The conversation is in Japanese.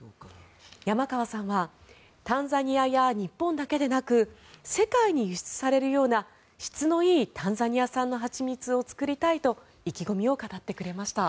山川さんはタンザニアや日本だけでなく世界に輸出されるような質のいいタンザニア産の蜂蜜を作りたいと意気込みを語ってくれました。